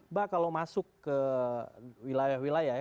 mbak kalau masuk ke wilayah wilayah ya